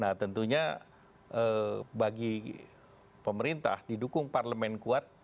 nah tentunya bagi pemerintah didukung parlemen kuat